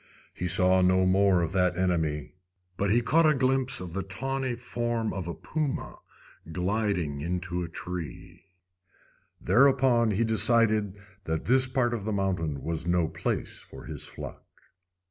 He saw no more of that enemy, but he caught a glimpse of the tawny form of the puma gliding into a tree. Thereupon he decided that this part of the mountain was no place for his flock.